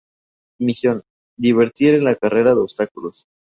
Misión: divertir en la carrera de obstáculos.